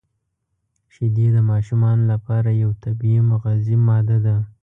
• شیدې د ماشومانو لپاره یو طبیعي مغذي ماده ده.